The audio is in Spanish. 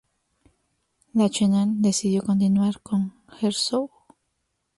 Lachenal decidió continuar con Herzog.